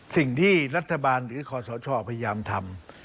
สิ่งที่รัฐบาลหรือคอสชพยายามทำ